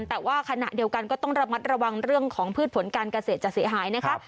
แต่ว่าขณะเดียวกันก็ต้องระมัดระวังเรื่องของพืชผลการเกษตรจะเสียหายนะคะ